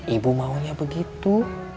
ibu maunya begitu